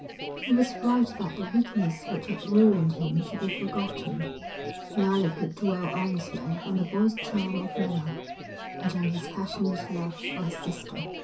It was right that the weakness which had ruined him should be forgotten, and Alec could dwell honestly on the boy's charm of manner, and on his passionate love for his sister.